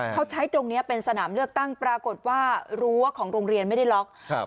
เขาใช้ตรงนี้เป็นสนามเลือกตั้งปรากฏว่ารู้ว่าของโรงเรียนไม่ได้ล็อกครับ